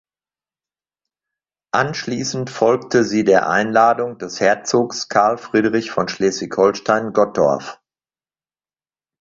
Anschließend folgte sie der Einladung des Herzogs Karl Friedrich von Schleswig-Holstein-Gottorf.